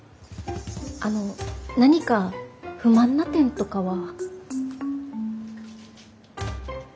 あの何か不満な点とかは。